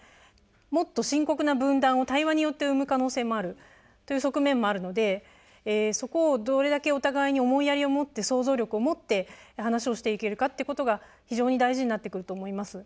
もっと深刻な分断を対話によって生む可能性もあるという側面もあるのでそこをどれだけお互いに思いやりを持って想像力を持って話をしていけるかってことが非常に大事になってくると思います。